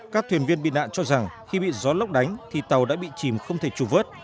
các thuyền viên bị nạn cho rằng khi bị gió lốc đánh thì tàu đã bị chìm không thể trụ vớt